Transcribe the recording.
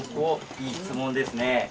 いい質問ですね